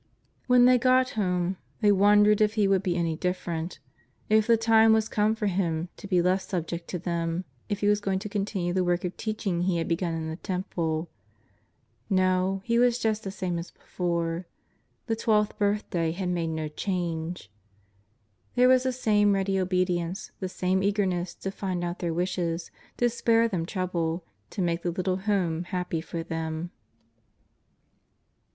When they got home they wondered if He would be any different; if the time was come for Him to be less subject to them; if He was going to continue the work of teaching He had begun in the Temple. !N^o, He was just the same as before ; the tweKth birthday had made no change. There was the same ready obedience, the same eagerness to find out their wishes, to spare them trouble, to make the little home happy for them.